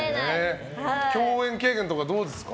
共演経験とか、どうですか？